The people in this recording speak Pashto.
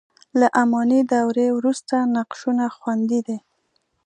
له اماني دورې وروسته نقشونه خوندي دي.